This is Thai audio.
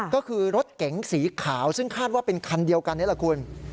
ก็คือรถเก๋งสีขาวซึ่งคาดว่าเป็นคันเดียวกันนี่แหละคุณ